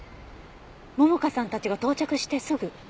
桃香さんたちが到着してすぐ？